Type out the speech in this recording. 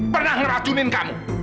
pernah ngeracunin kamu